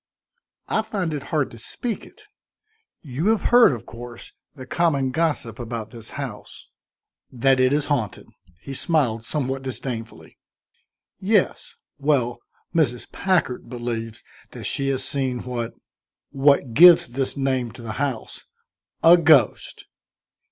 "I find it hard to speak it; you have heard, of course, the common gossip about this house." "That it is haunted?" he smiled, somewhat disdainfully. "Yes. Well, Mrs. Packard believes that she has seen what what gives this name to the house." "A ghost?"